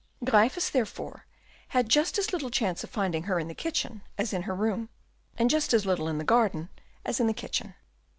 Gryphus therefore had just as little chance of finding her in the kitchen as in her room, and just as little in the garden as in the kitchen.